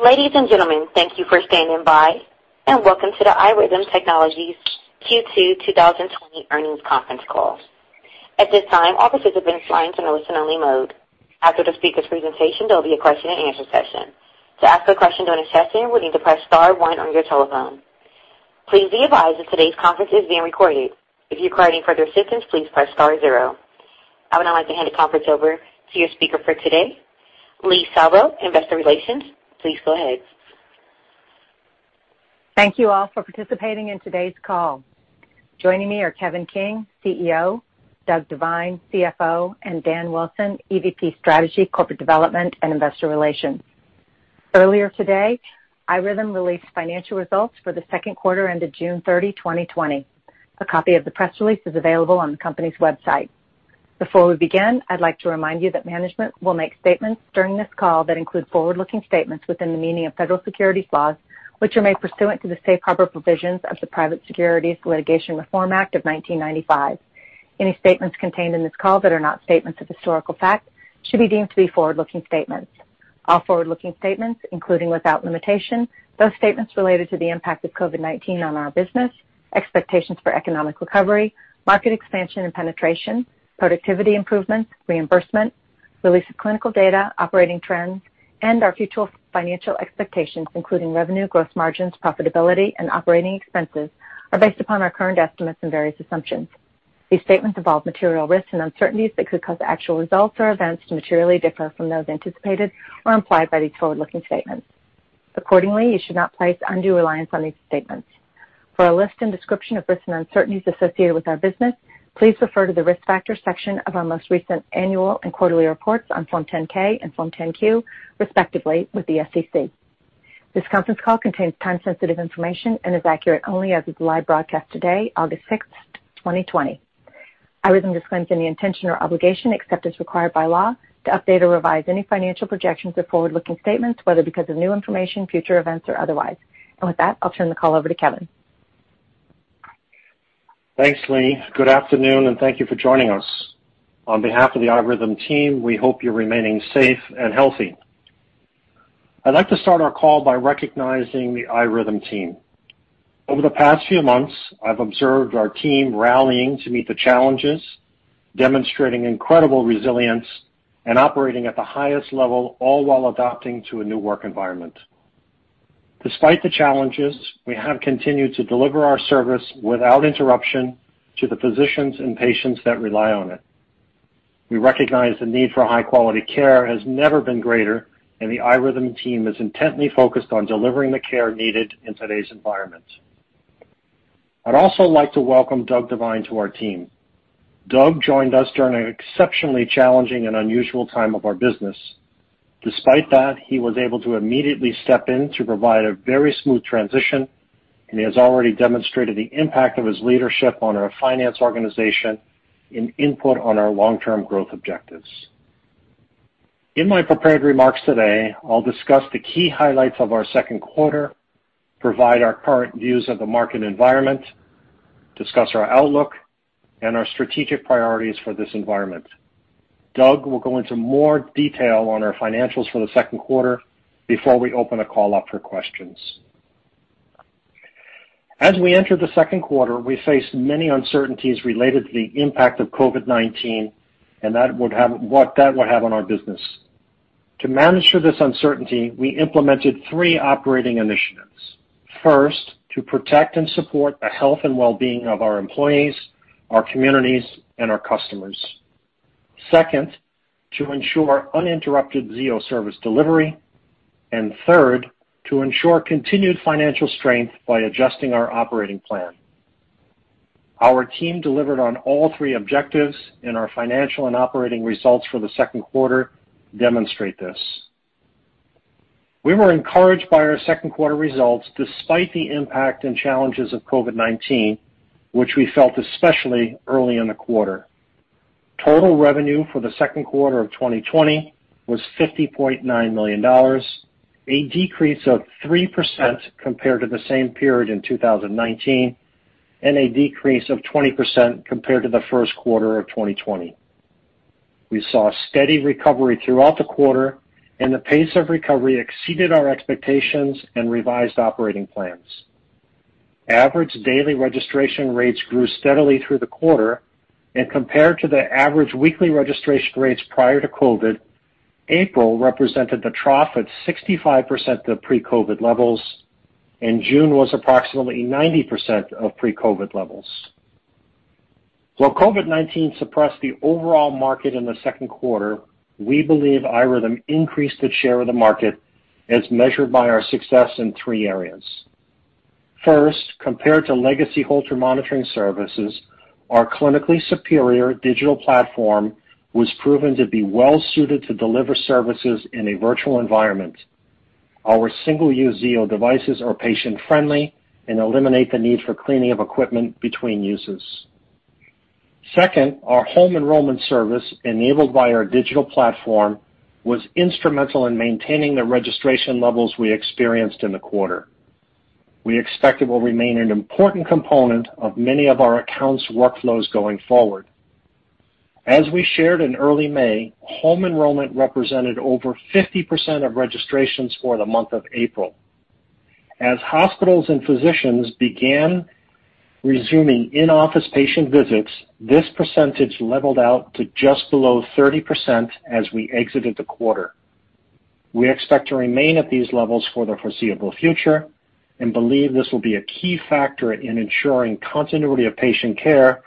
Ladies and gentlemen, thank you for standing by, and welcome to the iRhythm Technologies Q2 2020 Earnings Conference Call. I would now like to hand the conference over to your speaker for today, Leigh Salvo, investor relations. Please go ahead. Thank you all for participating in today's call. Joining me are Kevin King, CEO, Doug Devine, CFO, and Dan Wilson, EVP Strategy, Corporate Development, and Investor Relations. Earlier today, iRhythm released financial results for the second quarter ended June 30, 2020. A copy of the press release is available on the company's website. Before we begin, I'd like to remind you that management will make statements during this call that include forward-looking statements within the meaning of federal securities laws, which are made pursuant to the safe harbor provisions of the Private Securities Litigation Reform Act of 1995. Any statements contained in this call that are not statements of historical fact should be deemed to be forward-looking statements. All forward-looking statements, including, without limitation, those statements related to the impact of COVID-19 on our business, expectations for economic recovery, market expansion and penetration, productivity improvements, reimbursement, release of clinical data, operating trends, and our future financial expectations, including revenue, gross margins, profitability, and operating expenses, are based upon our current estimates and various assumptions. These statements involve material risks and uncertainties that could cause actual results or events to materially differ from those anticipated or implied by these forward-looking statements. Accordingly, you should not place undue reliance on these statements. For a list and description of risks and uncertainties associated with our business, please refer to the Risk Factors section of our most recent annual and quarterly reports on Form 10-K and Form 10-Q, respectively, with the SEC. This conference call contains time-sensitive information and is accurate only as of the live broadcast today, August 6th, 2020. iRhythm disclaims any intention or obligation, except as required by law, to update or revise any financial projections or forward-looking statements, whether because of new information, future events, or otherwise. With that, I'll turn the call over to Kevin. Thanks, Leigh. Good afternoon. Thank you for joining us. On behalf of the iRhythm team, we hope you're remaining safe and healthy. I'd like to start our call by recognizing the iRhythm team. Over the past few months, I've observed our team rallying to meet the challenges, demonstrating incredible resilience, and operating at the highest level, all while adapting to a new work environment. Despite the challenges, we have continued to deliver our service without interruption to the physicians and patients that rely on it. We recognize the need for high-quality care has never been greater, and the iRhythm team is intently focused on delivering the care needed in today's environment. I'd also like to welcome Doug Devine to our team. Doug joined us during an exceptionally challenging and unusual time of our business. Despite that, he was able to immediately step in to provide a very smooth transition, and he has already demonstrated the impact of his leadership on our finance organization and input on our long-term growth objectives. In my prepared remarks today, I'll discuss the key highlights of our second quarter, provide our current views of the market environment, discuss our outlook, and our strategic priorities for this environment. Doug will go into more detail on our financials for the second quarter before we open the call up for questions. As we enter the second quarter, we face many uncertainties related to the impact of COVID-19 and what that would have on our business. To manage through this uncertainty, we implemented three operating initiatives. First, to protect and support the health and well-being of our employees, our communities, and our customers. Second, to ensure uninterrupted Zio service delivery. Third, to ensure continued financial strength by adjusting our operating plan. Our team delivered on all three objectives, and our financial and operating results for the second quarter demonstrate this. We were encouraged by our second quarter results despite the impact and challenges of COVID-19, which we felt especially early in the quarter. Total revenue for the second quarter of 2020 was $50.9 million, a decrease of 3% compared to the same period in 2019 and a decrease of 20% compared to the first quarter of 2020. We saw steady recovery throughout the quarter, and the pace of recovery exceeded our expectations and revised operating plans. Average daily registration rates grew steadily through the quarter. Compared to the average weekly registration rates prior to COVID, April represented the trough at 65% of pre-COVID levels, and June was approximately 90% of pre-COVID levels. While COVID-19 suppressed the overall market in the second quarter, we believe iRhythm increased its share of the market as measured by our success in three areas. First, compared to legacy Holter monitoring services, our clinically superior digital platform was proven to be well-suited to deliver services in a virtual environment. Our single-use Zio devices are patient-friendly and eliminate the need for cleaning of equipment between uses. Second, our home enrollment service, enabled by our digital platform, was instrumental in maintaining the registration levels we experienced in the quarter. We expect it will remain an important component of many of our accounts' workflows going forward. As we shared in early May, home enrollment represented over 50% of registrations for the month of April. As hospitals and physicians began resuming in-office patient visits, this percentage leveled out to just below 30% as we exited the quarter. We expect to remain at these levels for the foreseeable future and believe this will be a key factor in ensuring continuity of patient care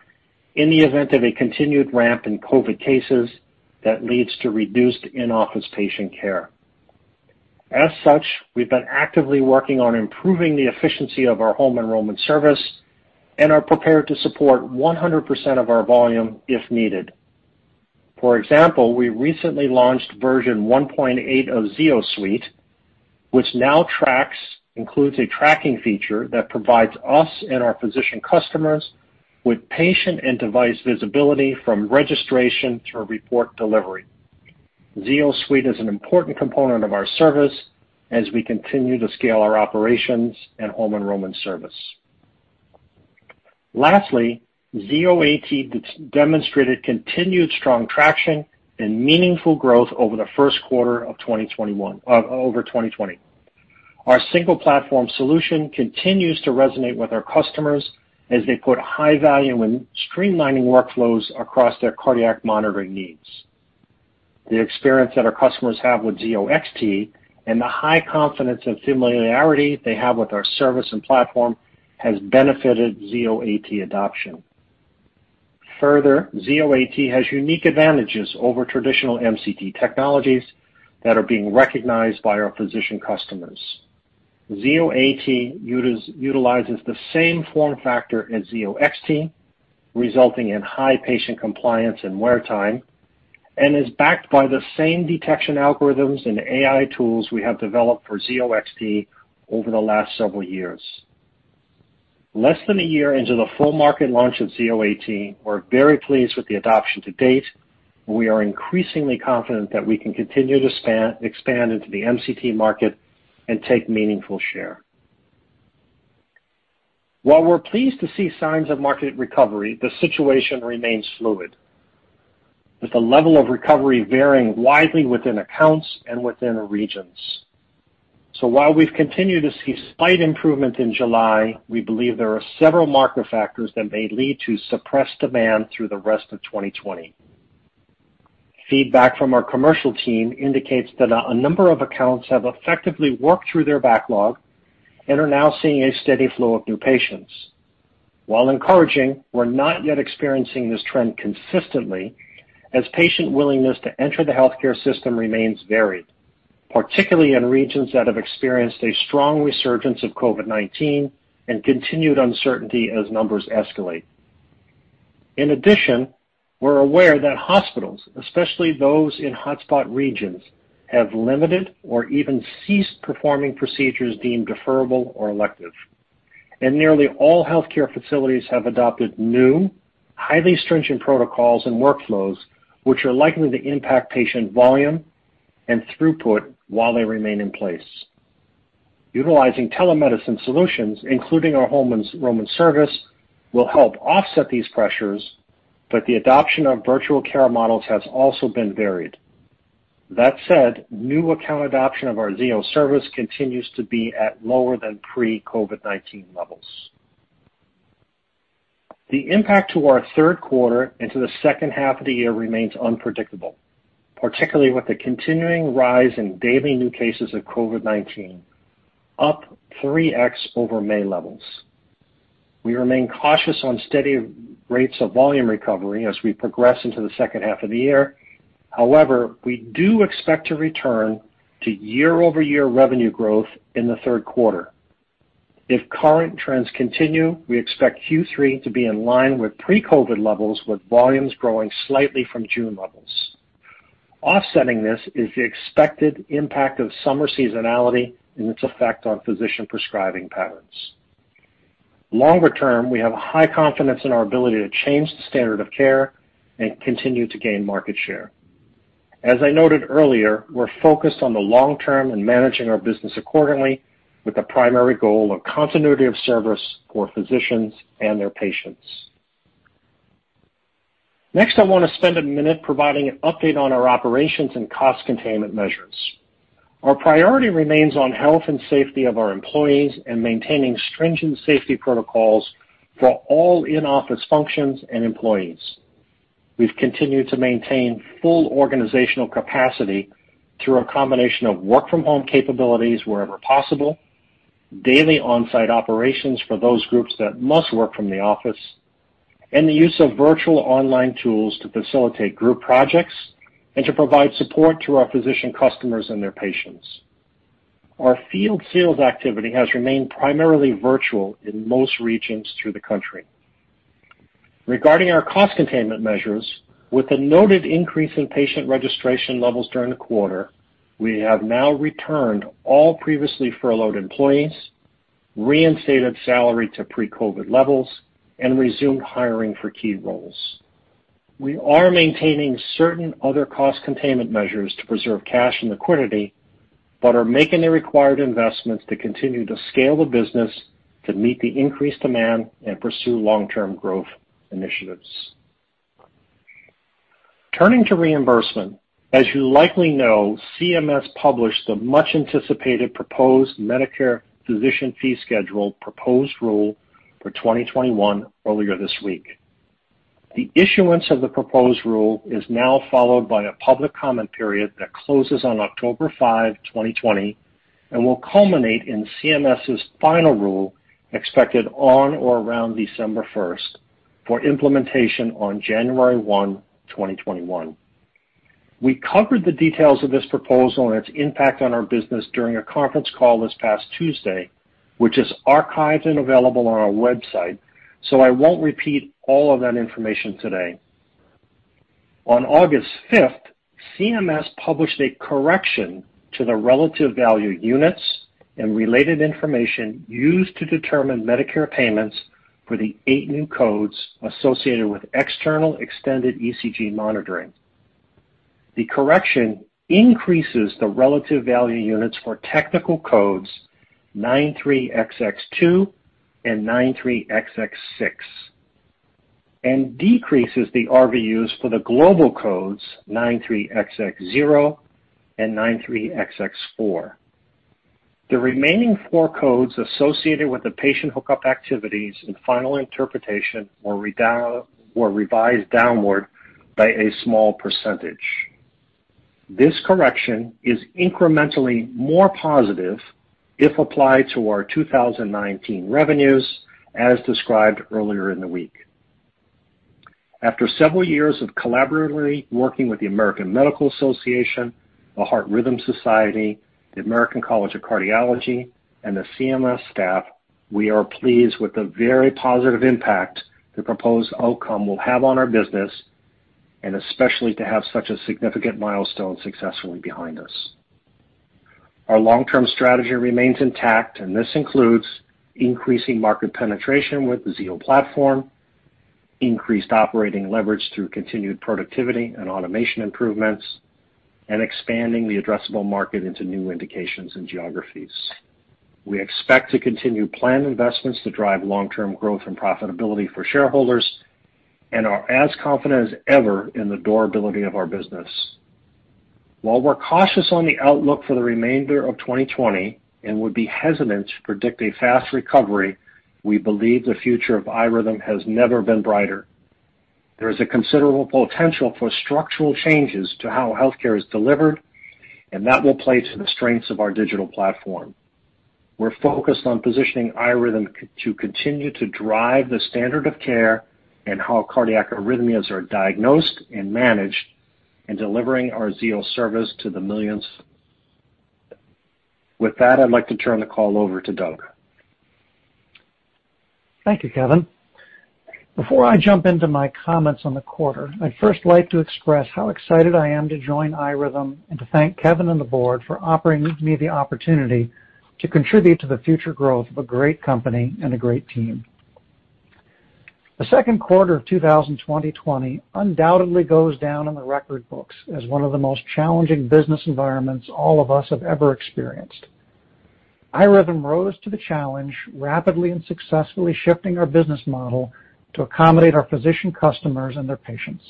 in the event of a continued ramp in COVID cases that leads to reduced in-office patient care. As such, we've been actively working on improving the efficiency of our home enrollment service and are prepared to support 100% of our volume if needed. For example, we recently launched version 1.8 of ZioSuite, which now includes a tracking feature that provides us and our physician customers with patient and device visibility from registration through report delivery. ZioSuite is an important component of our service as we continue to scale our operations and home enrollment service. Lastly, Zio AT demonstrated continued strong traction and meaningful growth over the first quarter of 2021, over 2020. Our single platform solution continues to resonate with our customers as they put high value in streamlining workflows across their cardiac monitoring needs. The experience that our customers have with Zio XT and the high confidence and familiarity they have with our service and platform has benefited Zio AT adoption. Further, Zio AT has unique advantages over traditional MCT technologies that are being recognized by our physician customers. Zio AT utilizes the same form factor as Zio XT, resulting in high patient compliance and wear time, and is backed by the same detection algorithms and AI tools we have developed for Zio XT over the last several years. Less than a year into the full market launch of Zio AT, we're very pleased with the adoption to date, and we are increasingly confident that we can continue to expand into the MCT market and take meaningful share. While we're pleased to see signs of market recovery, the situation remains fluid, with the level of recovery varying widely within accounts and within regions. While we've continued to see slight improvement in July, we believe there are several market factors that may lead to suppressed demand through the rest of 2020. Feedback from our commercial team indicates that a number of accounts have effectively worked through their backlog and are now seeing a steady flow of new patients. While encouraging, we're not yet experiencing this trend consistently, as patient willingness to enter the healthcare system remains varied, particularly in regions that have experienced a strong resurgence of COVID-19 and continued uncertainty as numbers escalate. In addition, we're aware that hospitals, especially those in hotspot regions, have limited or even ceased performing procedures deemed deferrable or elective. Nearly all healthcare facilities have adopted new, highly stringent protocols and workflows, which are likely to impact patient volume and throughput while they remain in place. Utilizing telemedicine solutions, including our home enrollment service, will help offset these pressures, but the adoption of virtual care models has also been varied. That said, new account adoption of our Zio service continues to be at lower than pre-COVID-19 levels. The impact to our third quarter into the second half of the year remains unpredictable, particularly with the continuing rise in daily new cases of COVID-19, up 3x over May levels. We remain cautious on steady rates of volume recovery as we progress into the second half of the year. We do expect to return to year-over-year revenue growth in the third quarter. If current trends continue, we expect Q3 to be in line with pre-COVID levels, with volumes growing slightly from June levels. Offsetting this is the expected impact of summer seasonality and its effect on physician prescribing patterns. Longer term, we have high confidence in our ability to change the standard of care and continue to gain market share. As I noted earlier, we're focused on the long term and managing our business accordingly, with the primary goal of continuity of service for physicians and their patients. Next, I want to spend a minute providing an update on our operations and cost containment measures. Our priority remains on health and safety of our employees and maintaining stringent safety protocols for all in-office functions and employees. We've continued to maintain full organizational capacity through a combination of work-from-home capabilities wherever possible, daily on-site operations for those groups that must work from the office, and the use of virtual online tools to facilitate group projects and to provide support to our physician customers and their patients. Our field sales activity has remained primarily virtual in most regions through the country. Regarding our cost containment measures, with the noted increase in patient registration levels during the quarter, we have now returned all previously furloughed employees, reinstated salary to pre-COVID levels, and resumed hiring for key roles. We are maintaining certain other cost containment measures to preserve cash and liquidity. We are making the required investments to continue to scale the business to meet the increased demand and pursue long-term growth initiatives. Turning to reimbursement, as you likely know, CMS published the much-anticipated Proposed Medicare Physician Fee Schedule Proposed Rule for 2021 earlier this week. The issuance of the proposed rule is now followed by a public comment period that closes on October 5, 2020, and will culminate in CMS's final rule, expected on or around December 1st, for implementation on January 1, 2021. We covered the details of this proposal and its impact on our business during a conference call this past Tuesday, which is archived and available on our website, so I won't repeat all of that information today. On August 5th, CMS published a correction to the relative value units and related information used to determine Medicare payments for the eight new codes associated with external extended ECG monitoring. The correction increases the relative value units for technical codes 93XX2 and 93XX6 and decreases the RVUs for the global codes 93XX0 and 93XX4. The remaining four codes associated with the patient hookup activities and final interpretation were revised downward by a small %. This correction is incrementally more positive if applied to our 2019 revenues, as described earlier in the week. After several years of collaboratively working with the American Medical Association, the Heart Rhythm Society, the American College of Cardiology, and the CMS staff, we are pleased with the very positive impact the proposed outcome will have on our business, and especially to have such a significant milestone successfully behind us. Our long-term strategy remains intact. This includes increasing market penetration with the Zio platform, increased operating leverage through continued productivity and automation improvements, and expanding the addressable market into new indications and geographies. We expect to continue planned investments to drive long-term growth and profitability for shareholders and are as confident as ever in the durability of our business. While we're cautious on the outlook for the remainder of 2020 and would be hesitant to predict a fast recovery, we believe the future of iRhythm has never been brighter. There is a considerable potential for structural changes to how healthcare is delivered, and that will play to the strengths of our digital platform. We're focused on positioning iRhythm to continue to drive the standard of care and how cardiac arrhythmias are diagnosed and managed and delivering our Zio Service to the millions. With that, I'd like to turn the call over to Doug. Thank you, Kevin. Before I jump into my comments on the quarter, I'd first like to express how excited I am to join iRhythm and to thank Kevin and the board for offering me the opportunity to contribute to the future growth of a great company and a great team. The second quarter of 2020 undoubtedly goes down in the record books as one of the most challenging business environments all of us have ever experienced. iRhythm rose to the challenge rapidly and successfully shifting our business model to accommodate our physician customers and their patients.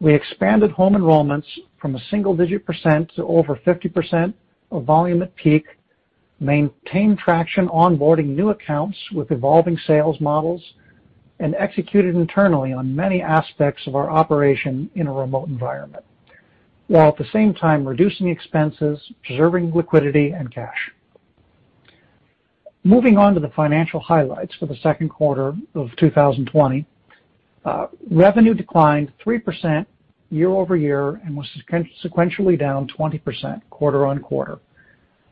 We expanded home enrollments from a single-digit % to over 50% of volume at peak, maintained traction onboarding new accounts with evolving sales models, and executed internally on many aspects of our operation in a remote environment, while at the same time reducing expenses, preserving liquidity and cash. Moving on to the financial highlights for the second quarter of 2020. Revenue declined 3% year-over-year and was sequentially down 20% quarter-on-quarter.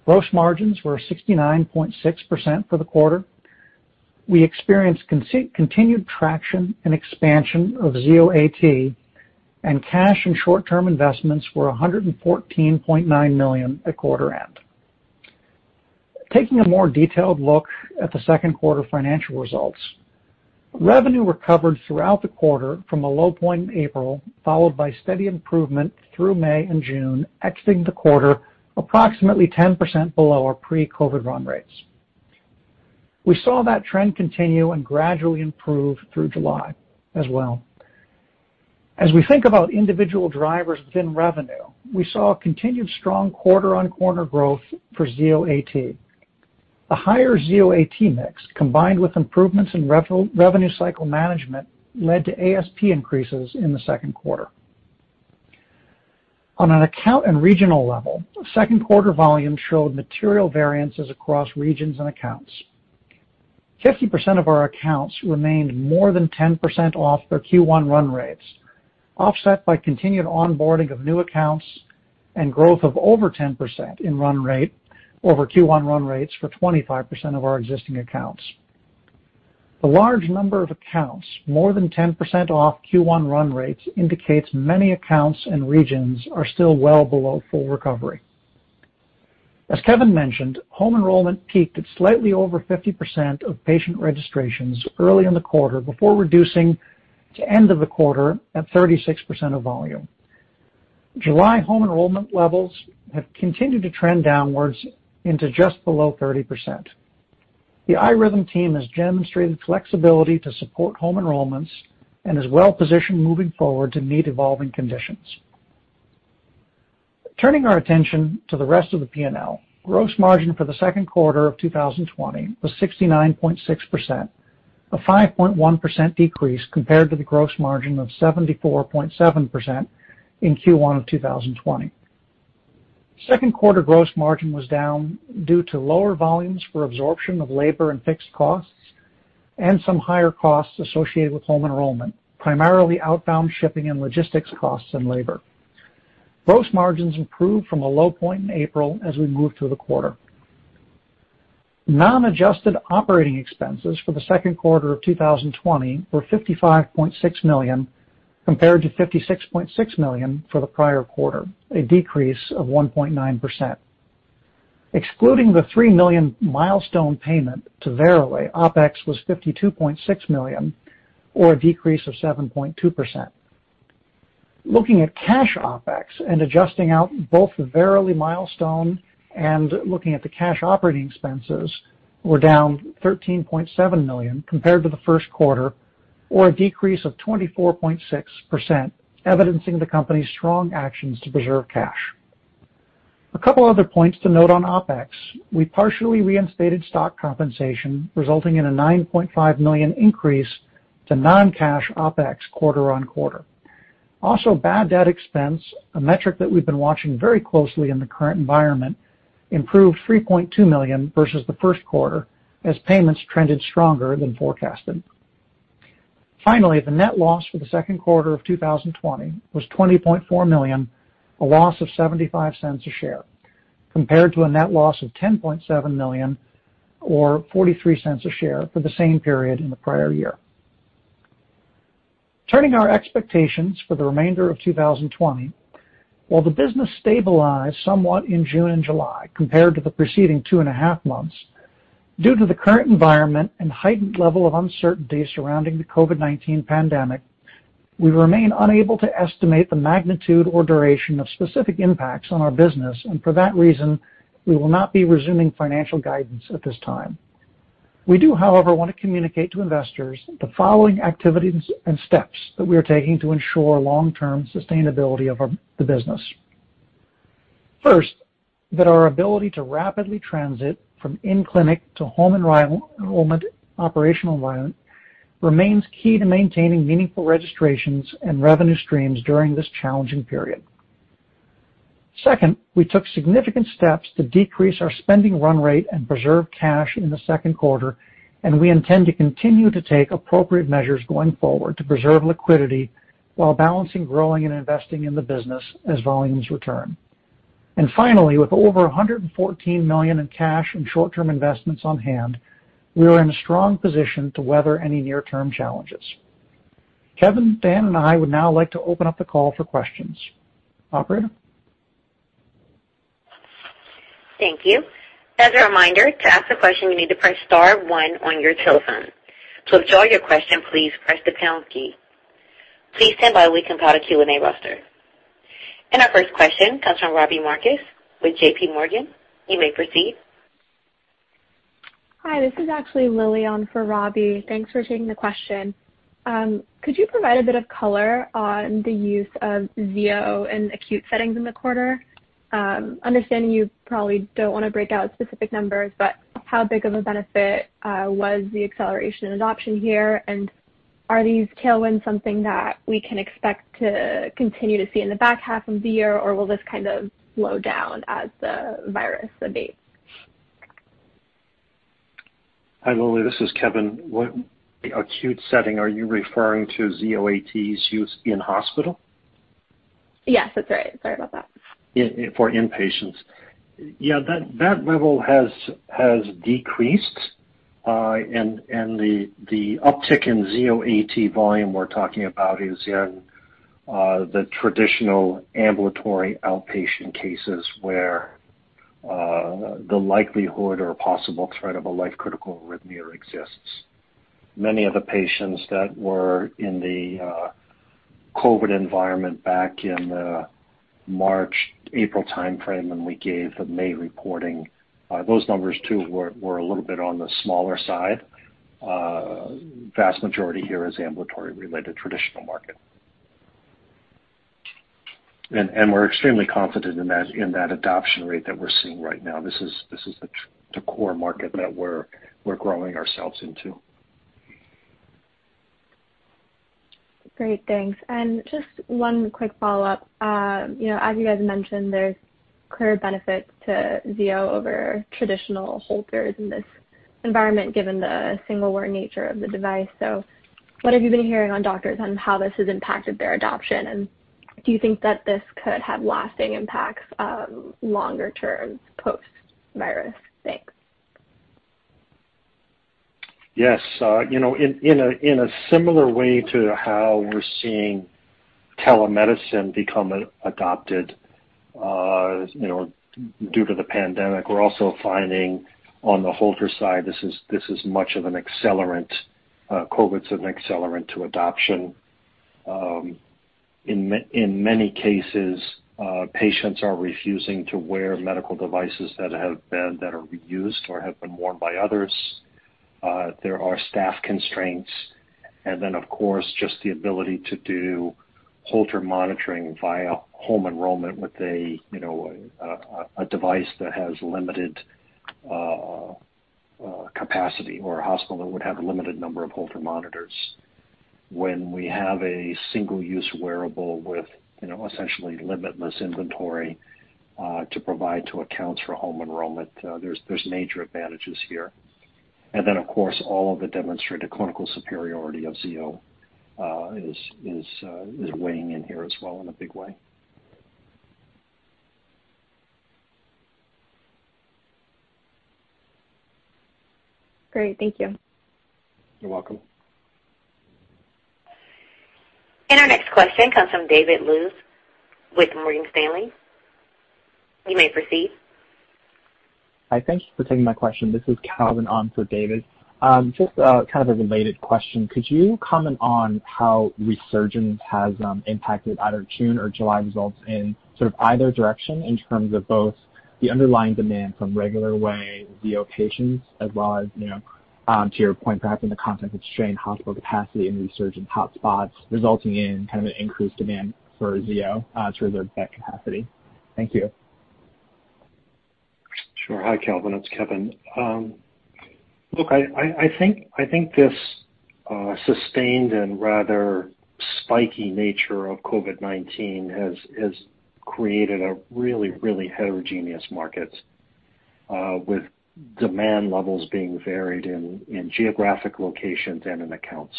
Gross margins were 69.6% for the quarter. We experienced continued traction and expansion of Zio AT, and cash and short-term investments were $114.9 million at quarter end. Taking a more detailed look at the second quarter financial results. Revenue recovered throughout the quarter from a low point in April, followed by steady improvement through May and June, exiting the quarter approximately 10% below our pre-COVID run rates. We saw that trend continue and gradually improve through July as well. As we think about individual drivers within revenue, we saw continued strong quarter-on-quarter growth for Zio AT. A higher Zio AT mix, combined with improvements in revenue cycle management, led to ASP increases in the second quarter. On an account and regional level, second quarter volume showed material variances across regions and accounts. 50% of our accounts remained more than 10% off their Q1 run rates, offset by continued onboarding of new accounts and growth of over 10% in run rate over Q1 run rates for 25% of our existing accounts. The large number of accounts more than 10% off Q1 run rates indicates many accounts and regions are still well below full recovery. As Kevin mentioned, home enrollment peaked at slightly over 50% of patient registrations early in the quarter before reducing to end of the quarter at 36% of volume. July home enrollment levels have continued to trend downwards into just below 30%. The iRhythm team has demonstrated flexibility to support home enrollments and is well-positioned moving forward to meet evolving conditions. Turning our attention to the rest of the P&L, gross margin for the second quarter of 2020 was 69.6%, a 5.1% decrease compared to the gross margin of 74.7% in Q1 of 2020. Second quarter gross margin was down due to lower volumes for absorption of labor and fixed costs and some higher costs associated with home enrollment, primarily outbound shipping and logistics costs and labor. Gross margins improved from a low point in April as we moved through the quarter. Non-adjusted operating expenses for the second quarter of 2020 were $55.6 million, compared to $56.6 million for the prior quarter, a decrease of 1.9%. Excluding the $3 million milestone payment to Verily, OpEx was $52.6 million, or a decrease of 7.2%. Looking at cash OpEx and adjusting out both the Verily milestone and looking at the cash operating expenses, were down $13.7 million compared to the first quarter, or a decrease of 24.6%, evidencing the company's strong actions to preserve cash. A couple other points to note on OpEx. We partially reinstated stock compensation, resulting in a $9.5 million increase to non-cash OpEx quarter on quarter. Also, bad debt expense, a metric that we've been watching very closely in the current environment, improved $3.2 million versus the first quarter as payments trended stronger than forecasted. Finally, the net loss for the second quarter of 2020 was $20.4 million, a loss of $0.75 a share, compared to a net loss of $10.7 million or $0.43 a share for the same period in the prior year. Turning our expectations for the remainder of 2020, while the business stabilized somewhat in June and July compared to the preceding two and a half months, due to the current environment and heightened level of uncertainty surrounding the COVID-19 pandemic, we remain unable to estimate the magnitude or duration of specific impacts on our business. For that reason, we will not be resuming financial guidance at this time. We do, however, want to communicate to investors the following activities and steps that we are taking to ensure long-term sustainability of the business. First, that our ability to rapidly transit from in-clinic to home enrollment operational environment remains key to maintaining meaningful registrations and revenue streams during this challenging period. Second, we took significant steps to decrease our spending run rate and preserve cash in the second quarter, and we intend to continue to take appropriate measures going forward to preserve liquidity while balancing growing and investing in the business as volumes return. Finally, with over $114 million in cash and short-term investments on hand, we are in a strong position to weather any near-term challenges. Kevin, Dan, and I would now like to open up the call for questions. Operator? Thank you. Our first question comes from Robbie Marcus with JP Morgan. Hi, this is actually Lillian for Robbie. Thanks for taking the question. Could you provide a bit of color on the use of Zio in acute settings in the quarter? Understanding you probably don't want to break out specific numbers, how big of a benefit was the acceleration in adoption here, and are these tailwinds something that we can expect to continue to see in the back half of the year, or will this kind of slow down as the virus abates? Hi, Lily, this is Kevin. What acute setting are you referring to Zio AT's use in hospital? Yes, that's right. Sorry about that. For inpatients. Yeah, that level has decreased. The uptick in Zio AT volume we're talking about is in the traditional ambulatory outpatient cases where the likelihood or possible threat of a life-critical arrhythmia exists. Many of the patients that were in the COVID environment back in the March, April timeframe, when we gave the May reporting, those numbers too were a little bit on the smaller side. Vast majority here is ambulatory-related traditional market. We're extremely confident in that adoption rate that we're seeing right now. This is the core market that we're growing ourselves into. Great, thanks. Just one quick follow-up. As you guys mentioned, there's clear benefits to Zio over traditional Holters in this environment given the single-wear nature of the device. What have you been hearing on doctors on how this has impacted their adoption, and do you think that this could have lasting impacts longer term post-virus? Thanks. Yes. In a similar way to how we're seeing Telemedicine became adopted due to the pandemic. We're also finding on the Holter side, this is much of an accelerant. COVID's an accelerant to adoption. In many cases, patients are refusing to wear medical devices that are reused or have been worn by others. There are staff constraints, and then, of course, just the ability to do Holter monitoring via home enrollment with a device that has limited capacity, or a hospital that would have a limited number of Holter monitors. When we have a single-use wearable with essentially limitless inventory to provide to accounts for home enrollment, there's major advantages here. Of course, all of the demonstrated clinical superiority of Zio is weighing in here as well in a big way. Great. Thank you. You're welcome. Our next question comes from David Lewis with Morgan Stanley. You may proceed. Hi. Thanks for taking my question. This is Calvin on for David. Just kind of a related question. Could you comment on how resurgence has impacted either June or July results in sort of either direction in terms of both the underlying demand from regular way Zio patients as well as, to your point, perhaps in the context of strained hospital capacity and resurgence hotspots resulting in an increased demand for Zio to reserve that capacity? Thank you. Sure. Hi, Calvin. It's Kevin. Look, I think this sustained and rather spiky nature of COVID-19 has created a really heterogeneous market, with demand levels being varied in geographic locations and in accounts.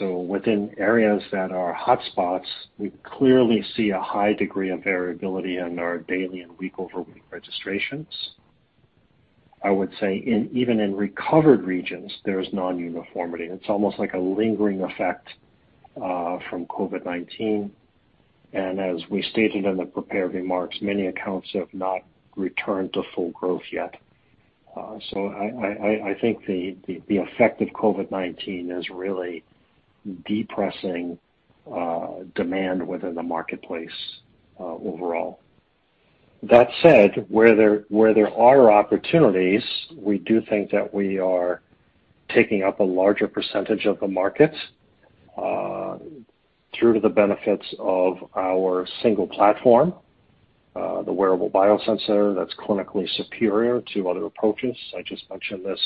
Within areas that are hotspots, we clearly see a high degree of variability in our daily and week-over-week registrations. I would say even in recovered regions, there's non-uniformity. It's almost like a lingering effect from COVID-19. As we stated in the prepared remarks, many accounts have not returned to full growth yet. I think the effect of COVID-19 is really depressing demand within the marketplace overall. That said, where there are opportunities, we do think that we are taking up a larger % of the market through the benefits of our single platform, the wearable biosensor that's clinically superior to other approaches. I just mentioned this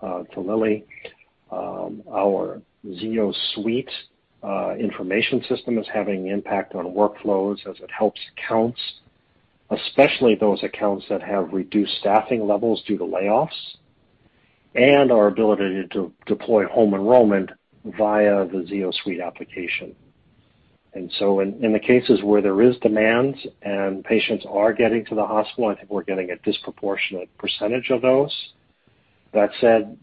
to Lily. Our ZioSuite information system is having impact on workflows as it helps accounts, especially those accounts that have reduced staffing levels due to layoffs, and our ability to deploy home enrollment via the ZioSuite application. In the cases where there is demand and patients are getting to the hospital, I think we're getting a disproportionate percentage of those. That said,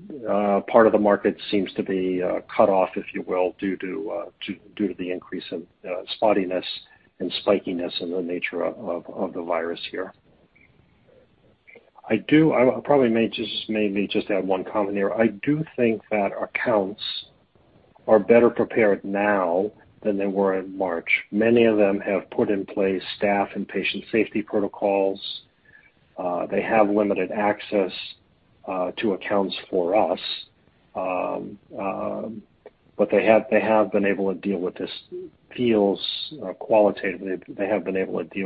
part of the market seems to be cut off, if you will, due to the increase in spottiness and spikiness in the nature of the virus here. I probably may just add one comment here. I do think that accounts are better prepared now than they were in March. Many of them have put in place staff and patient safety protocols. They have limited access to accounts for us. They have been able to deal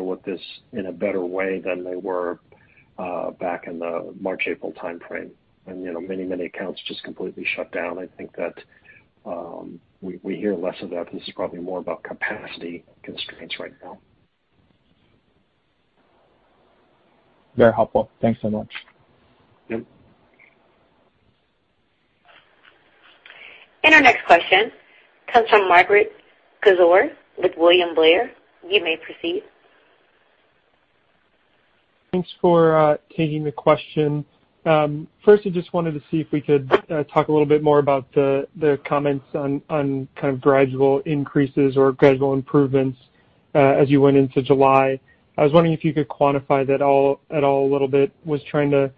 with this in a better way than they were back in the March-April timeframe. Many accounts just completely shut down. I think that we hear less of that. This is probably more about capacity constraints right now. Very helpful. Thanks so much. Yep. Our next question comes from Margaret Kaczor with William Blair. You may proceed. Thanks for taking the question. First, I just wanted to see if we could talk a little bit more about the comments on kind of gradual increases or gradual improvements as you went into July. I was wondering if you could quantify that at all a little bit. Was trying to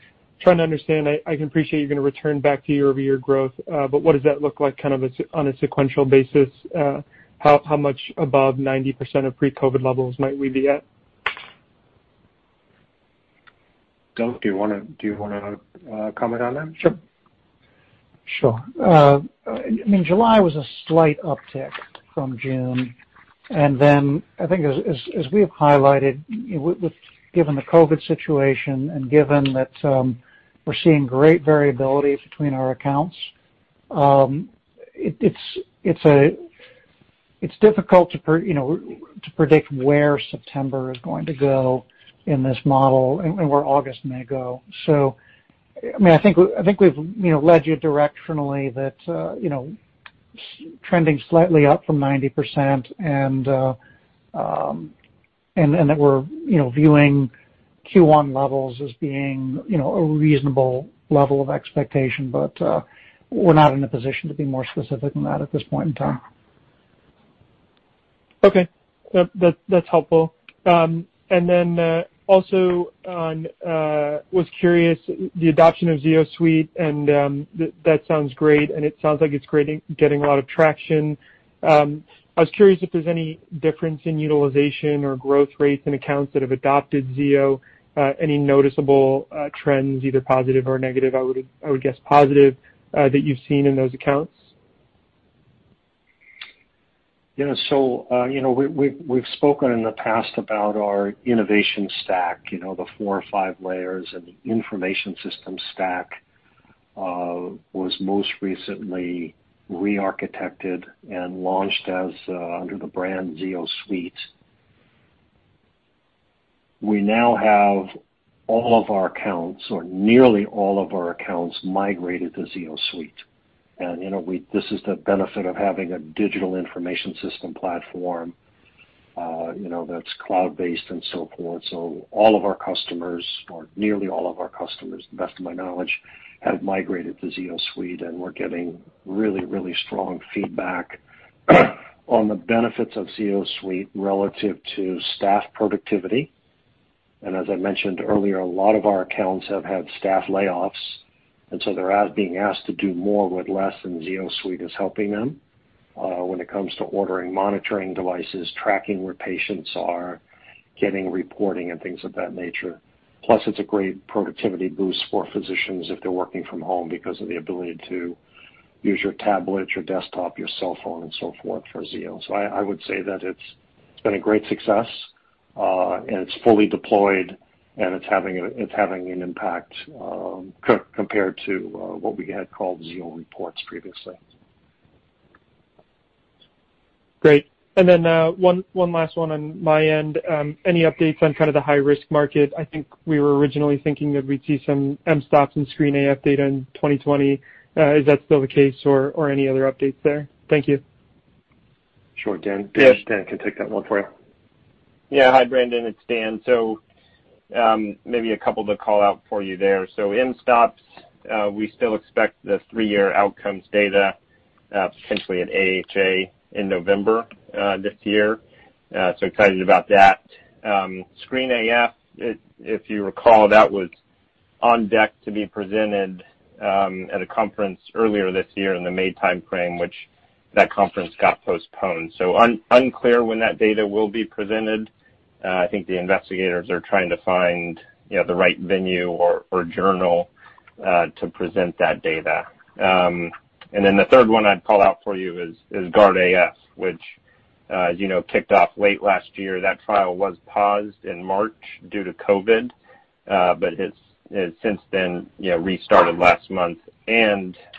understand, I can appreciate you're going to return back to year-over-year growth, but what does that look like on a sequential basis? How much above 90% of pre-COVID levels might we be at? Duke, do you want to comment on that? Sure. I mean, July was a slight uptick from June. Then I think as we have highlighted, given the COVID-19 situation and given that we're seeing great variability between our accounts, it's difficult to predict where September is going to go in this model and where August may go. I think we've led you directionally that trending slightly up from 90%. That we're viewing Q1 levels as being a reasonable level of expectation, but we're not in a position to be more specific than that at this point in time. Okay. That's helpful. Then also was curious, the adoption of ZioSuite and that sounds great, and it sounds like it's getting a lot of traction. I was curious if there's any difference in utilization or growth rates in accounts that have adopted Zio, any noticeable trends, either positive or negative, I would guess positive, that you've seen in those accounts? Yeah. We've spoken in the past about our innovation stack, the four or five layers, and the information system stack, was most recently re-architected and launched under the brand ZioSuite. We now have all of our accounts, or nearly all of our accounts, migrated to ZioSuite. This is the benefit of having a digital information system platform that's cloud-based and so forth. All of our customers, or nearly all of our customers, to the best of my knowledge, have migrated to ZioSuite, and we're getting really strong feedback on the benefits of ZioSuite relative to staff productivity. As I mentioned earlier, a lot of our accounts have had staff layoffs, so they're being asked to do more with less, and ZioSuite is helping them, when it comes to ordering monitoring devices, tracking where patients are, getting reporting, and things of that nature. Plus, it's a great productivity boost for physicians if they're working from home because of the ability to use your tablet, your desktop, your cell phone, and so forth for Zio. I would say that it's been a great success, and it's fully deployed, and it's having an impact, compared to what we had called Zio Reports previously. Great. One last one on my end. Any updates on kind of the high-risk market? I think we were originally thinking that we'd see some mSToPS and SCREEN-AF data in 2020. Is that still the case or any other updates there? Thank you. Sure. Dan, can take that one for you. Yeah. Hi, Brandon. It's Dan. Maybe a couple to call out for you there. mSToPS, we still expect the three-year outcomes data, potentially at AHA in November this year. SCREEN-AF, if you recall, that was on deck to be presented at a conference earlier this year in the May timeframe, which that conference got postponed. Unclear when that data will be presented. I think the investigators are trying to find the right venue or journal to present that data. The third one I'd call out for you is GUARD-AF, which as you know, kicked off late last year. That trial was paused in March due to COVID, has since then restarted last month.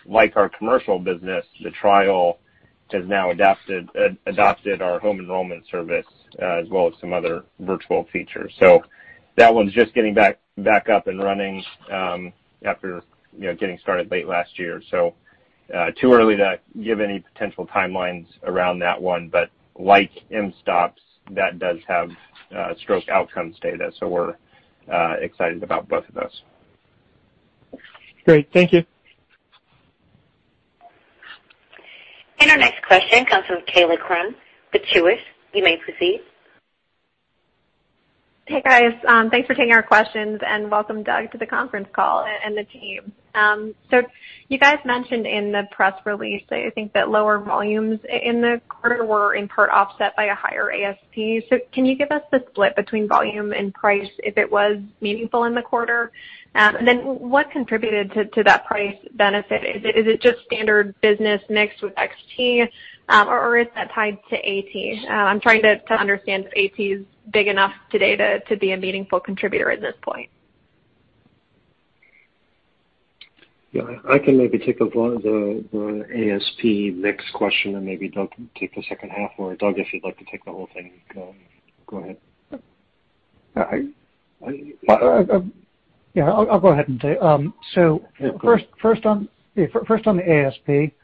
Like our commercial business, the trial has now adopted our home enrollment service, as well as some other virtual features. That one's just getting back up and running after getting started late last year. Too early to give any potential timelines around that one, but like mSToPS, that does have stroke outcomes data. We're excited about both of those. Great. Thank you. Our next question comes from Kaylee Krum, Truist Securities. You may proceed. Hey, guys. Thanks for taking our questions, and welcome, Doug, to the conference call and the team. You guys mentioned in the press release that you think that lower volumes in the quarter were in part offset by a higher ASP. Can you give us the split between volume and price if it was meaningful in the quarter? What contributed to that price benefit? Is it just standard business mixed with XT, or is that tied to AT? I'm trying to understand if AT is big enough today to be a meaningful contributor at this point. Yeah, I can maybe take the ASP mix question and maybe Doug can take the second half, or Doug, if you'd like to take the whole thing, go ahead. Yeah. Yeah, I'll go ahead and take it. First on the ASP.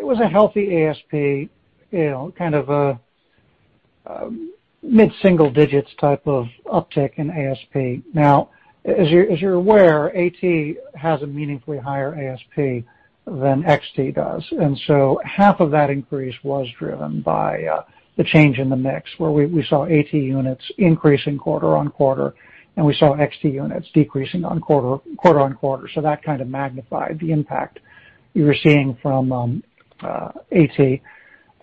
It was a healthy ASP, kind of a mid-single-digits type of uptick in ASP. As you're aware, AT has a meaningfully higher ASP than XT does. Half of that increase was driven by the change in the mix, where we saw AT units increasing quarter-over-quarter, and we saw XT units decreasing quarter-over-quarter. That kind of magnified the impact you were seeing from AT.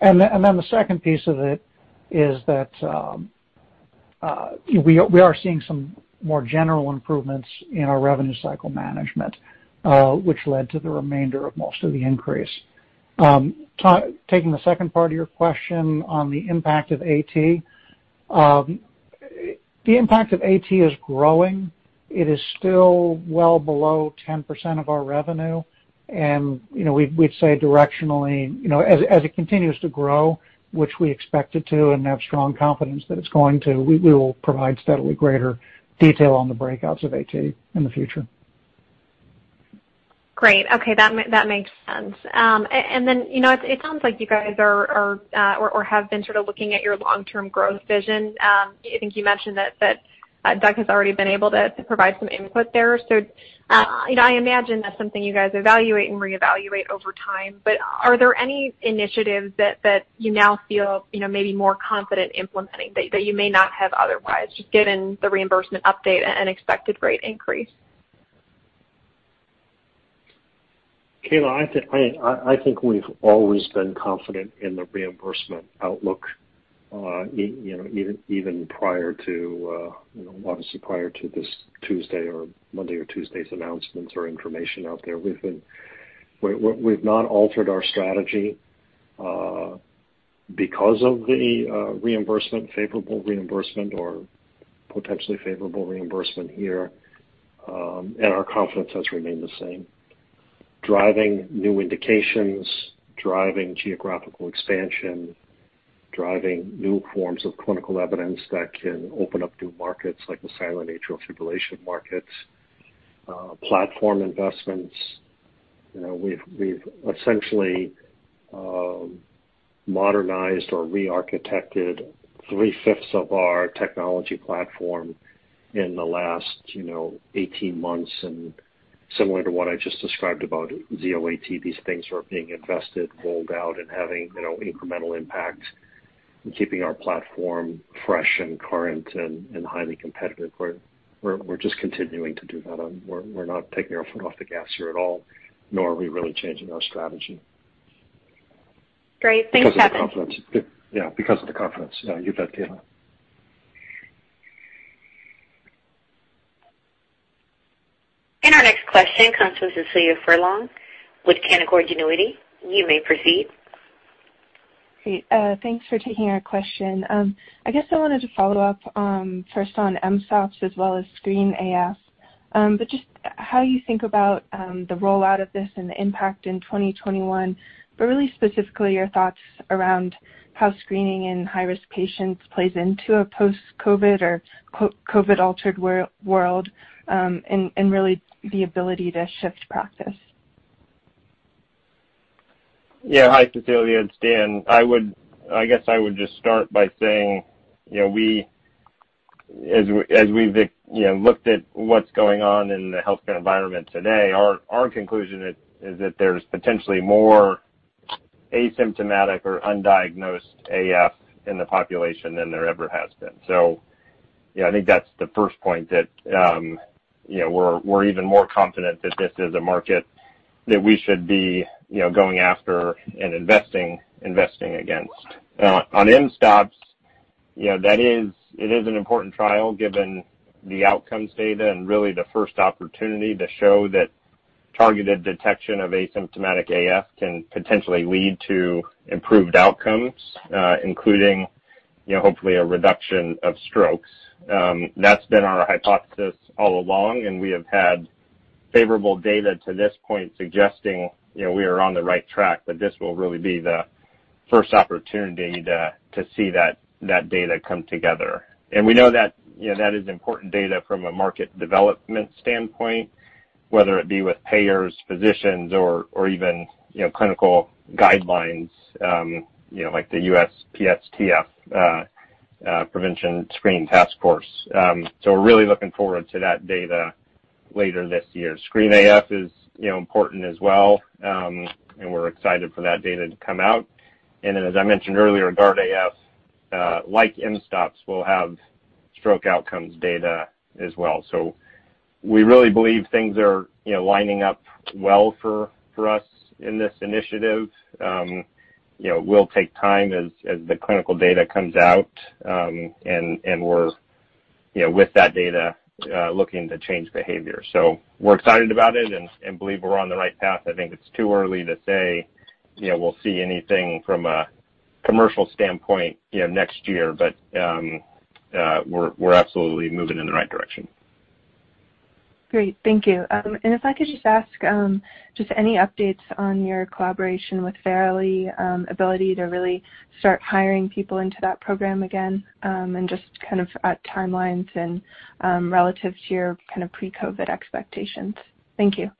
The second piece of it is that we are seeing some more general improvements in our revenue cycle management, which led to the remainder of most of the increase. Taking the second part of your question on the impact of AT. The impact of AT is growing. It is still well below 10% of our revenue. We'd say directionally, as it continues to grow, which we expect it to and have strong confidence that it's going to, we will provide steadily greater detail on the breakouts of AT in the future. Great. Okay. That makes sense. It sounds like you guys are, or have been sort of looking at your long-term growth vision. I think you mentioned that Doug has already been able to provide some input there. I imagine that's something you guys evaluate and reevaluate over time. Are there any initiatives that you now feel maybe more confident implementing that you may not have otherwise, just given the reimbursement update and expected rate increase? Kaila, I think we've always been confident in the reimbursement outlook even prior to obviously prior to this Tuesday or Monday or Tuesday's announcements or information out there. We've not altered our strategy because of the reimbursement, favorable reimbursement or potentially favorable reimbursement here. Our confidence has remained the same. Driving new indications, driving geographical expansion, driving new forms of clinical evidence that can open up new markets like the silent atrial fibrillation markets, platform investments. We've essentially modernized or re-architected three-fifths of our technology platform in the last 18 months. Similar to what I just described about Z080, these things are being invested, rolled out and having incremental impact and keeping our platform fresh and current and highly competitive. We're just continuing to do that. We're not taking our foot off the gas here at all, nor are we really changing our strategy. Great. Thanks, Kevin. Because of the confidence. Yeah, because of the confidence. Yeah, you bet, Kaila. Our next question comes from Cecilia Furlong with Canaccord Genuity. You may proceed. Great. Thanks for taking our question. I guess I wanted to follow up first on mSToPS as well as SCREEN-AF. But just how you think about the rollout of this and the impact in 2021, but really specifically your thoughts around how screening in high-risk patients plays into a post-COVID-19 or COVID-19 altered world, and really the ability to shift practice. Yeah. Hi, Cecilia. It's Dan. I guess I would just start by saying, as we've looked at what's going on in the healthcare environment today, our conclusion is that there's potentially more asymptomatic or undiagnosed AF in the population than there ever has been. Yeah, I think that's the first point that we're even more confident that this is a market that we should be going after and investing against. On mSToPS, it is an important trial given the outcomes data and really the first opportunity to show that targeted detection of asymptomatic AF can potentially lead to improved outcomes, including hopefully a reduction of strokes. That's been our hypothesis all along, and we have had favorable data to this point suggesting we are on the right track. This will really be the first opportunity to see that data come together. We know that is important data from a market development standpoint, whether it be with payers, physicians, or even clinical guidelines like the USPSTF, Prevention Screen Task Force. We're really looking forward to that data later this year. SCREEN-AF is important as well, and we're excited for that data to come out. As I mentioned earlier, GUARD-AF, like mSToPS, will have stroke outcomes data as well. We really believe things are lining up well for us in this initiative. It will take time as the clinical data comes out. We're, with that data, looking to change behavior. We're excited about it and believe we're on the right path. I think it's too early to say we'll see anything from a commercial standpoint next year. We're absolutely moving in the right direction. Great. Thank you. If I could just ask, just any updates on your collaboration with Verily, ability to really start hiring people into that program again, and just kind of timelines and relative to your pre-COVID-19 expectations. Thank you.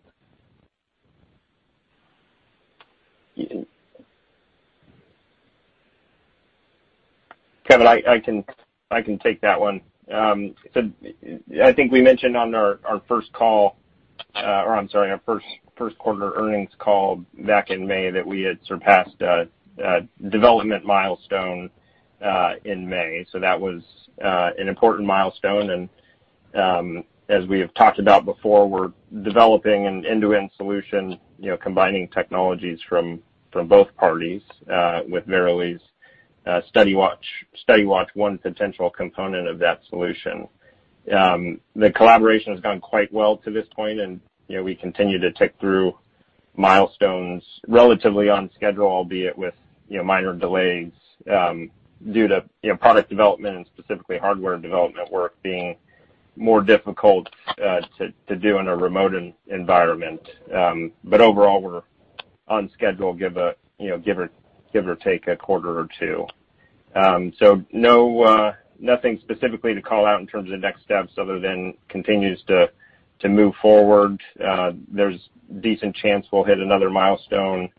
Kevin, I can take that one. I think we mentioned on our first quarter earnings call back in May that we had surpassed a development milestone in May. That was an important milestone. As we have talked about before, we're developing an end-to-end solution combining technologies from both parties with Verily's Study Watch, one potential component of that solution. The collaboration has gone quite well to this point and we continue to tick through milestones relatively on schedule, albeit with minor delays due to product development and specifically hardware development work being more difficult to do in a remote environment. Overall, we're on schedule, give or take a quarter or two. Nothing specifically to call out in terms of next steps other than continues to move forward. There's a decent chance we'll hit another milestone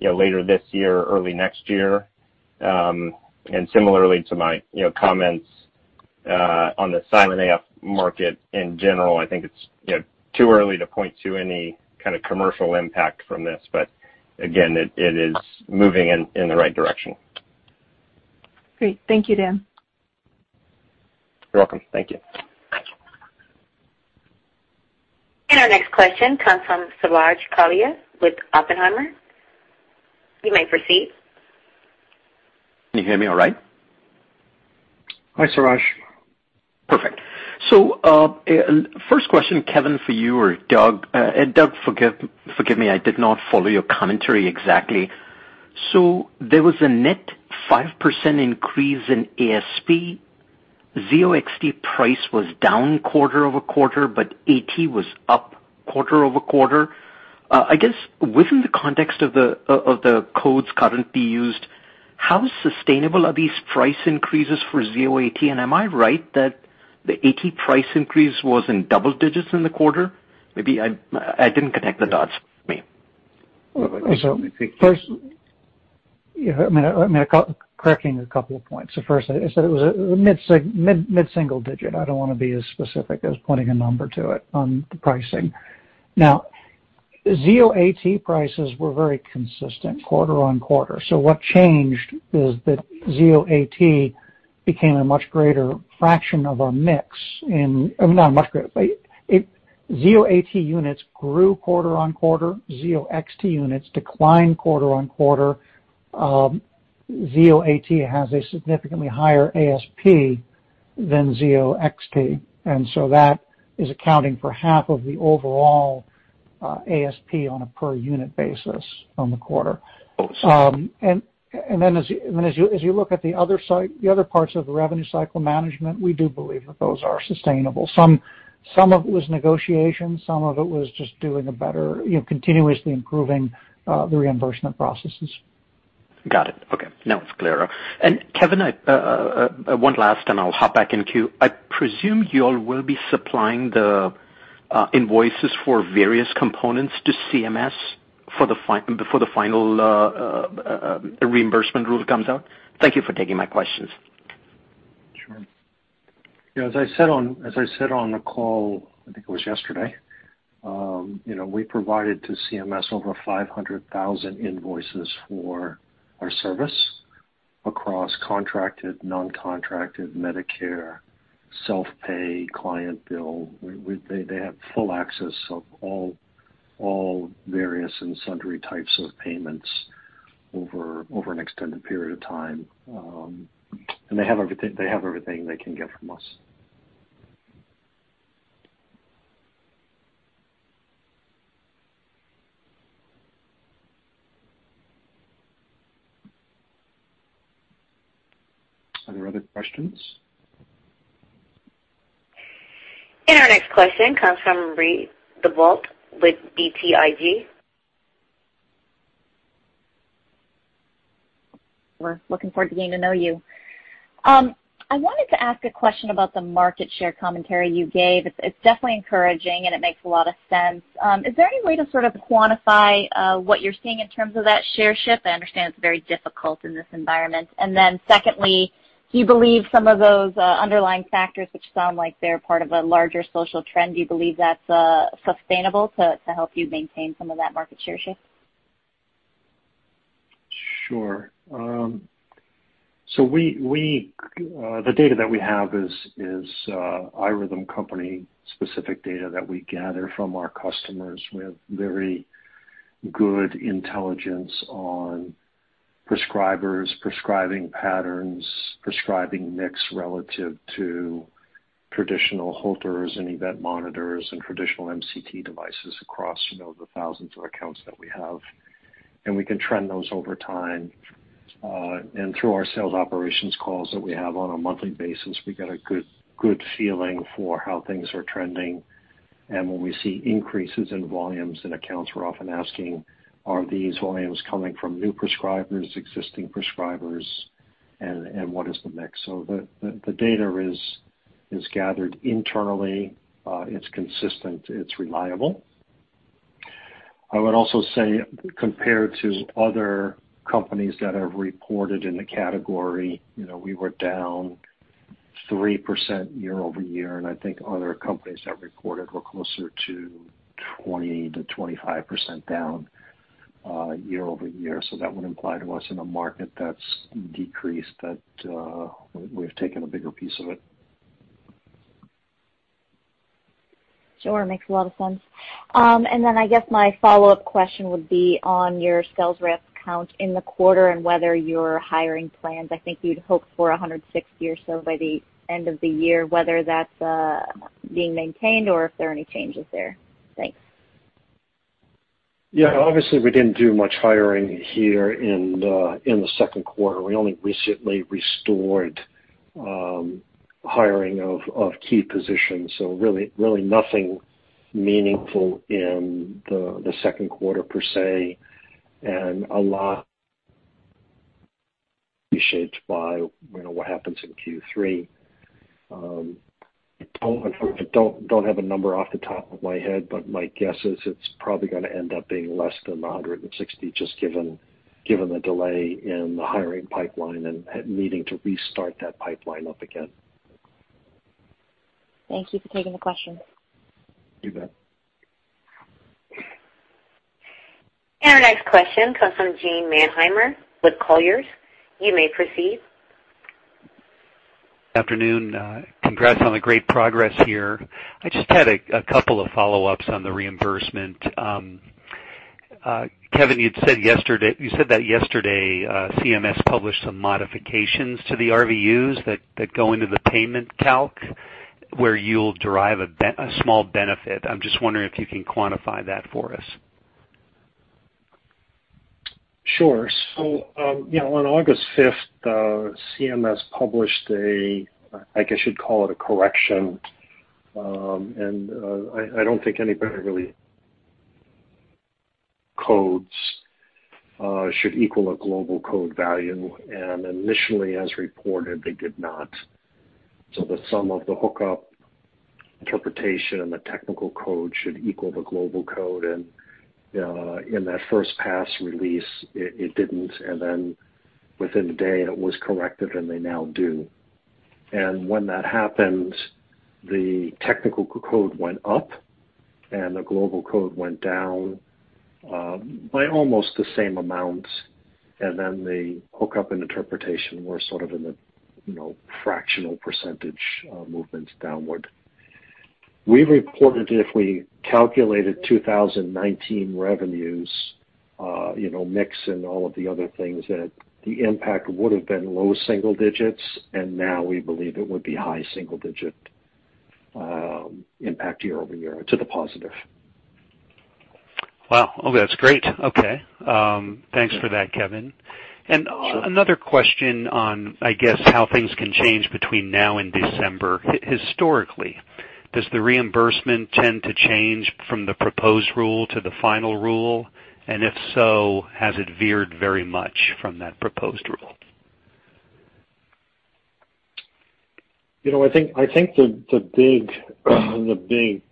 later this year or early next year. Similarly to my comments on the silent AF market in general, I think it's too early to point to any kind of commercial impact from this, but again, it is moving in the right direction. Great. Thank you, Dan. You're welcome. Thank you. Our next question comes from Suraj Kalia with Oppenheimer. You may proceed. Can you hear me all right? Hi, Suraj. Perfect. First question, Kevin, for you or Doug. Doug, forgive me, I did not follow your commentary exactly. There was a net 5% increase in ASP. Zio XT price was down quarter-over-quarter, but AT was up quarter-over-quarter. I guess within the context of the codes currently used, how sustainable are these price increases for Zio AT? Am I right that the AT price increase was in double digits in the quarter? Maybe I didn't connect the dots. Maybe. First, correcting a couple of points. First, I said it was mid-single digit. I don't want to be as specific as putting a number to it on the pricing. Zio AT prices were very consistent quarter-on-quarter. What changed is that Zio AT became a much greater fraction of our mix. Zio AT units grew quarter-on-quarter. Zio XT units declined quarter-on-quarter. Zio AT has a significantly higher ASP than Zio XT, that is accounting for half of the overall ASP on a per unit basis on the quarter. As you look at the other parts of the revenue cycle management, we do believe that those are sustainable. Some of it was negotiation. Some of it was just doing a better, continuously improving the reimbursement processes. Got it. Okay. Now it's clearer. Kevin, one last and I'll hop back in queue. I presume you all will be supplying the invoices for various components to CMS before the final reimbursement rule comes out. Thank you for taking my questions. Sure. Yeah, as I said on the call, I think it was yesterday, we provided to CMS over 500,000 invoices for our service across contracted, non-contracted Medicare, self-pay, client bill. They have full access of all various and sundry types of payments over an extended period of time. They have everything they can get from us. Are there other questions? Our next question comes from Ree DeVolk with BTIG. We're looking forward to getting to know you. I wanted to ask a question about the market share commentary you gave. It's definitely encouraging, and it makes a lot of sense. Is there any way to sort of quantify what you're seeing in terms of that share shift? I understand it's very difficult in this environment. Secondly, do you believe some of those underlying factors, which sound like they're part of a larger social trend, do you believe that's sustainable to help you maintain some of that market share shift? Sure. The data that we have is iRhythm company specific data that we gather from our customers with very good intelligence on prescribers, prescribing patterns, prescribing mix relative to traditional Holters and event monitors and traditional MCT devices across the thousands of accounts that we have. We can trend those over time. Through our sales operations calls that we have on a monthly basis, we get a good feeling for how things are trending. When we see increases in volumes in accounts, we're often asking, are these volumes coming from new prescribers, existing prescribers, and what is the mix? The data is gathered internally. It's consistent. It's reliable. I would also say compared to other companies that have reported in the category, we were down 3% year-over-year, and I think other companies that reported were closer to 20%-25% down year-over-year. That would imply to us in a market that's decreased that we've taken a bigger piece of it. Sure. Makes a lot of sense. I guess my follow-up question would be on your sales rep count in the quarter and whether your hiring plans, I think you'd hoped for 160 or so by the end of the year, whether that's being maintained or if there are any changes there. Thanks. Yeah, obviously we didn't do much hiring here in the second quarter. We only recently restored hiring of key positions. Really nothing meaningful in the second quarter, per se, and a lot shaped by what happens in Q3. I don't have a number off the top of my head, but my guess is it's probably going to end up being less than 160, just given the delay in the hiring pipeline and needing to restart that pipeline up again. Thank you for taking the question. You bet. Our next question comes from Gene Mannheimer with Colliers. You may proceed. Afternoon. Congrats on the great progress here. I just had a couple of follow-ups on the reimbursement. Kevin, you said that yesterday CMS published some modifications to the RVUs that go into the payment calc, where you'll derive a small benefit. I'm just wondering if you can quantify that for us. Sure. On August 5th, CMS published a, I guess you'd call it a correction. I don't think anybody really codes should equal a global code value, and initially, as reported, they did not. The sum of the hookup interpretation and the technical code should equal the global code, and in that first pass release, it didn't. Within a day, it was corrected, and they now do. When that happened, the technical code went up, and the global code went down by almost the same amount. The hookup and interpretation were sort of in the fractional percentage movements downward. We reported if we calculated 2019 revenues, mix and all of the other things, that the impact would've been low single digits, and now we believe it would be high single digit impact year-over-year to the positive. Wow. Okay. That's great. Okay. Thanks for that, Kevin. Sure. Another question on, I guess, how things can change between now and December. Historically, does the reimbursement tend to change from the proposed rule to the final rule? If so, has it veered very much from that proposed rule? I think the big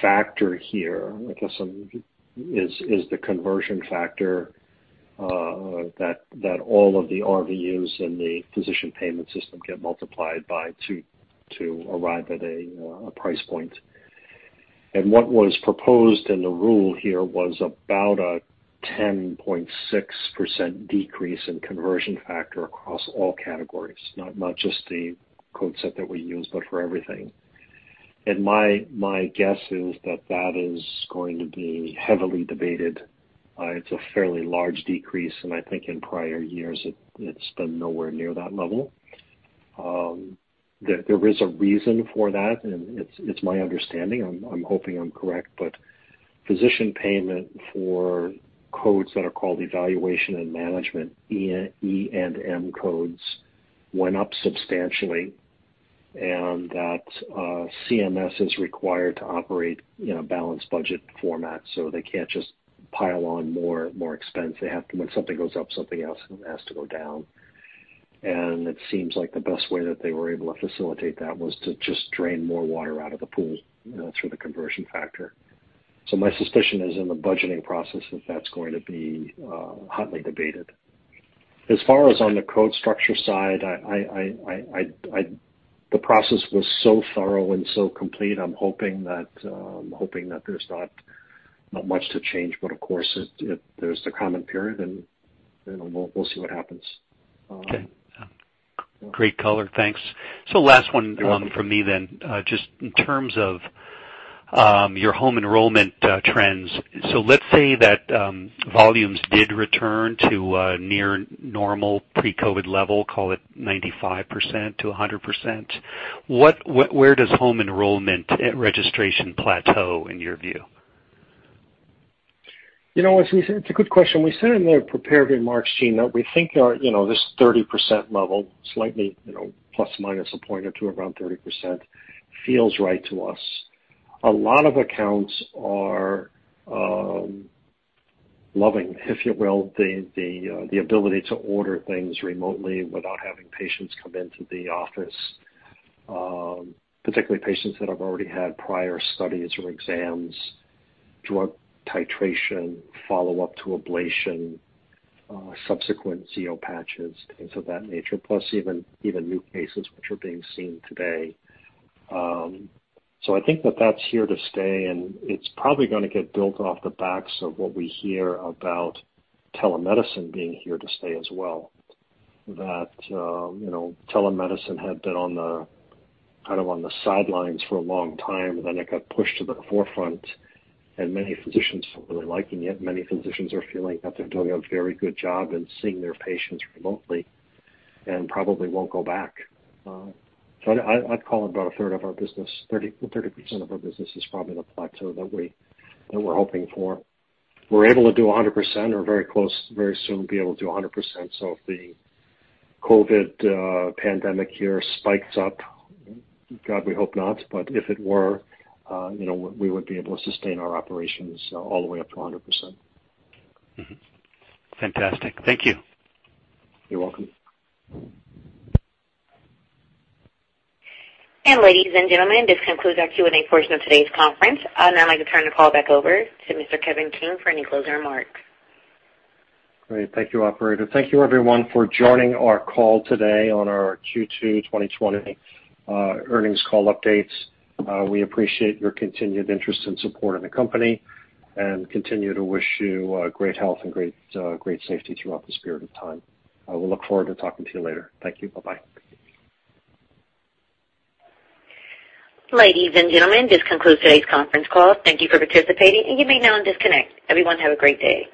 factor here, I guess, is the conversion factor that all of the RVUs in the physician payment system get multiplied by to arrive at a price point. What was proposed in the rule here was about a 10.6% decrease in conversion factor across all categories, not just the code set that we use, but for everything. My guess is that that is going to be heavily debated. It's a fairly large decrease, and I think in prior years, it's been nowhere near that level. There is a reason for that, and it's my understanding, I'm hoping I'm correct, but physician payment for codes that are called evaluation and management, E&M codes, went up substantially, and that CMS is required to operate in a balanced budget format, so they can't just pile on more expense. When something goes up, something else has to go down. It seems like the best way that they were able to facilitate that was to just drain more water out of the pool through the conversion factor. My suspicion is in the budgeting process, that that's going to be hotly debated. As far as on the code structure side, the process was so thorough and so complete, I'm hoping that there's not much to change. Of course, there's the common period, and we'll see what happens. Okay. Great color. Thanks. You're welcome. from me then. Just in terms of your home enrollment trends. Let's say that volumes did return to a near normal pre-COVID level, call it 95%-100%. Where does home enrollment registration plateau, in your view? It's a good question. We said in the prepared remarks, Gene, that we think this 30% level, slightly plus or minus a point or two around 30%, feels right to us. A lot of accounts are loving, if you will, the ability to order things remotely without having patients come into the office. Particularly patients that have already had prior studies or exams, drug titration, follow-up to ablation, subsequent Zio patches, things of that nature. Plus even new cases which are being seen today. I think that that's here to stay, and it's probably going to get built off the backs of what we hear about telemedicine being here to stay as well. That telemedicine had been on the sidelines for a long time, then it got pushed to the forefront, and many physicians are really liking it. Many physicians are feeling that they're doing a very good job in seeing their patients remotely and probably won't go back. I'd call it about a third of our business, 30% of our business is probably the plateau that we're hoping for. We're able to do 100%, or very soon be able to do 100%. If the COVID pandemic here spikes up, God, we hope not, but if it were, we would be able to sustain our operations all the way up to 100%. Mm-hmm. Fantastic. Thank you. You're welcome. Ladies and gentlemen, this concludes our Q&A portion of today's conference. I'd now like to turn the call back over to Mr. Kevin King for any closing remarks. Great. Thank you, operator. Thank you everyone for joining our call today on our Q2 2020 earnings call updates. We appreciate your continued interest and support of the company and continue to wish you great health and great safety throughout this period of time. We look forward to talking to you later. Thank you. Bye-bye. Ladies and gentlemen, this concludes today's conference call. Thank you for participating, and you may now disconnect. Everyone have a great day.